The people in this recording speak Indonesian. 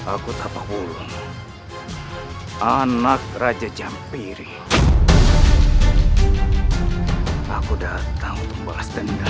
aku tak perlu anak raja jampiri aku datang untuk bahas tendang